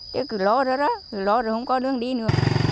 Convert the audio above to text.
chứ cứ lo đó đó cứ lo rồi không có đường đi nữa